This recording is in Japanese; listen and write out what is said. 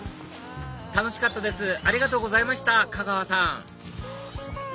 楽しかったですありがとうございましたかがわさん